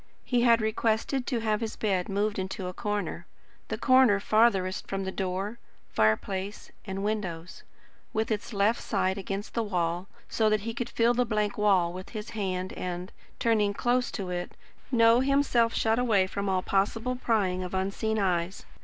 He had requested to have his bed moved into a corner the corner farthest from door, fireplace, and windows with its left side against the wall, so that he could feel the blank wall with his hand and, turning close to it, know himself shut away from all possible prying of unseen eyes.